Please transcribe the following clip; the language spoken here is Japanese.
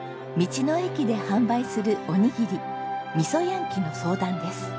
道の駅で販売するおにぎりみそやんきの相談です。